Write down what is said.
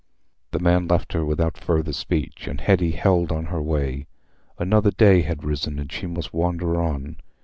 The man left her without further speech, and Hetty held on her way. Another day had risen, and she must wander on.